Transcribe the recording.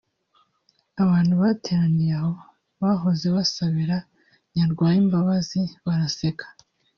Abantu bateraniye aho bahoze basabira Nyarwaya imbabazi baraseka